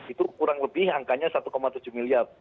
itu kurang lebih angkanya satu tujuh miliar